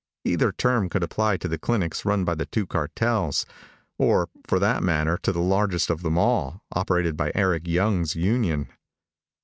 Either term could apply to the clinics run by the two cartels; or, for that matter, to the largest of them all, operated by Eric Young's union.